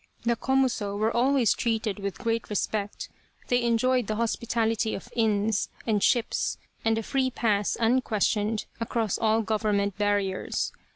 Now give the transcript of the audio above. The Komuso were always treated with great respect, they enjoyed the hospitality of inns and ships, and a free pass unquestioned across all government barriers.